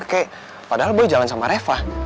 kayak padahal gue jalan sama reva